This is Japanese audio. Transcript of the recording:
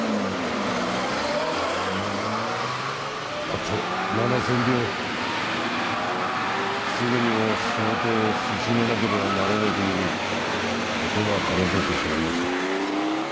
あと７千両すぐにも仕事を進めなければならねえ時にお手間とらせてしまいました。